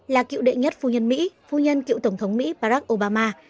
là cựu đệ nhất phu nhân mỹ phu nhân cựu tổng thống mỹ barack obama